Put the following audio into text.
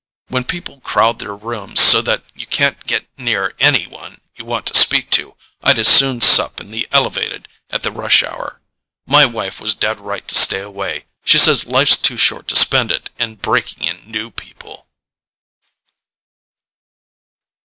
When people crowd their rooms so that you can't get near any one you want to speak to, I'd as soon sup in the elevated at the rush hour. My wife was dead right to stay away: she says life's too short to spend it in breaking in new people."